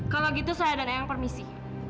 kalau gitu saya dan yang permisi